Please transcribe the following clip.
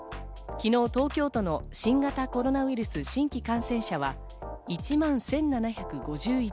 昨日、東京都の新型コロナウイルス新規感染者は、１万１７５１人。